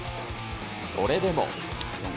それでも。